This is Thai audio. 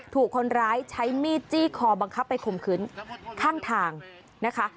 ถูกคนร้ายใช้มีดจี้คอบังคับไปข่มขืนข้างทางนะคะ